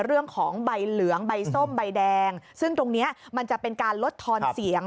เรื่องของใบเหลืองใบส้มใบแดงซึ่งตรงเนี้ยมันจะเป็นการลดทอนเสียง